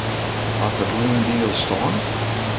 Hâldt de Green Deal stân?